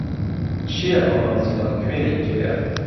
چییە ئەو مەنزڵە کوێنەی جێیە